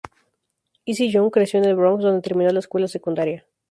Izzy Young creció en el Bronx, donde terminó la escuela secundaria.